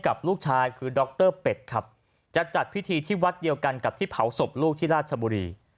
กับลูกชายคือดรเป็ดครับจะจัดพิธีที่วัดเดียวกันกับที่เผาศพลูกที่ราชบุรี